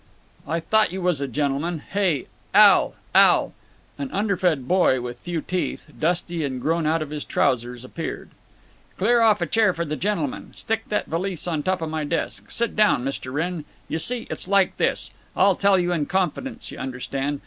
"I thought you was a gentleman. Hey, Al! Al!" An underfed boy with few teeth, dusty and grown out of his trousers, appeared. "Clear off a chair for the gentleman. Stick that valise on top my desk…. Sit down, Mr. Wrenn. You see, it's like this: I'll tell you in confidence, you understand.